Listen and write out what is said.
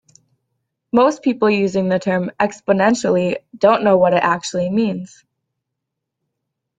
Most people using the term "exponentially" don't know what it actually means.